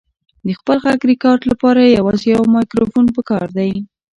د خپل غږ ریکارډ لپاره یوازې یو مایکروفون پکار دی.